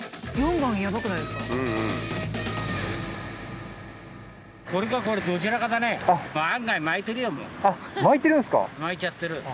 巻いちゃってる。